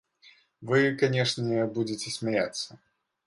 Вы, канешне, будзеце смяяцца.